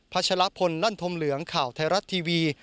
ชะละพลลั่นธมเหลืองข่าวไทยรัฐทีวี